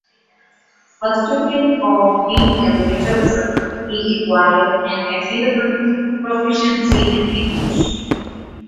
A student of D. L. Richardson, he acquired an admirable proficiency in English.